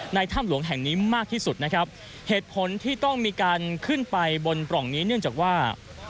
ถ้ำหลวงแห่งนี้มากที่สุดนะครับเหตุผลที่ต้องมีการขึ้นไปบนปล่องนี้เนื่องจากว่า